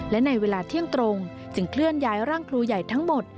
และในเวลาเที่ยงตรงจึงเคลื่อนย้ายร่างครูใหญ่ทั้งหมด